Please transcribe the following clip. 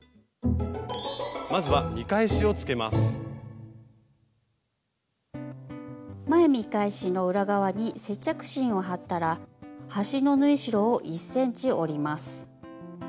まずは前見返しの裏側に接着芯を貼ったら端の縫い代を１ｃｍ折ります。